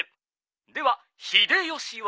では秀吉は？